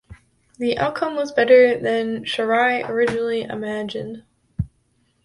The outcome was better than Shirai originally imagined.